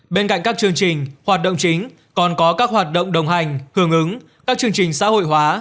bên cạnh các chương trình hoạt động chính còn có các hoạt động đồng hành hưởng ứng các chương trình xã hội hóa